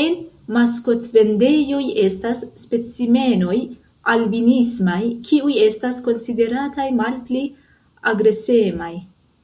En maskotvendejoj estas specimenoj albinismaj kiuj estas konsiderataj malpli agresemaj.